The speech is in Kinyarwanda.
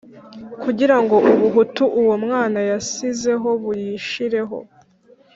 kugira ngo ubuhutu uwo mwana yasizeho buyishireho.